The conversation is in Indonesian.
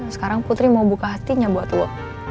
sekarang putri mau buka hatinya buat allah